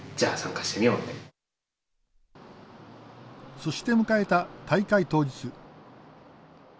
そして迎えた大会当日。